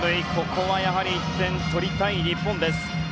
ここは１点取りたい日本です。